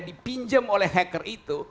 dipinjam oleh hacker itu